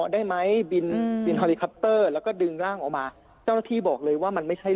ได้ไหมบินบินฮอลิคอปเตอร์แล้วก็ดึงร่างออกมาเจ้าหน้าที่บอกเลยว่ามันไม่ใช่